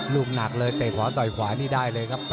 ลูกหนักเลยเตะขวาต่อยขวานี่ได้เลยครับ